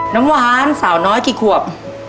น้ำหวานสาวน้อยกี่ขวบ